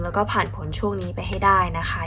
แล้วก็ผ่านผลช่วงนี้ไปให้ได้นะคะ